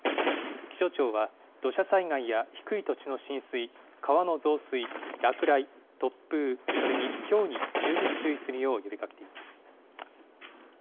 気象庁は、土砂災害や低い土地の浸水、川の増水、落雷、突風、それにひょうに十分注意するよう呼びかけています。